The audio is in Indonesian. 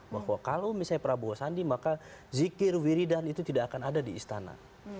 bahwa kalau misalnya prabowo sandi maka zikir wiridan itu tidak akan ada di istana